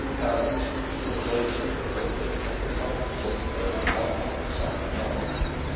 Herons flew lazily over as the couple pulled the boat out on the soft muck.